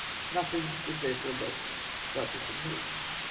No thino; was therefore left but to submit.